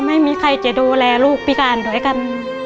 ไม่มีใครจะดูแลลูกพิการด้วยกัน